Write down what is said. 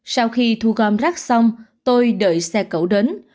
sau khi thu gom rác xong tôi đợi xe cẩu đến